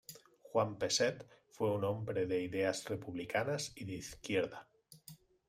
Juan Peset fue un hombre de ideas republicanas y de izquierda.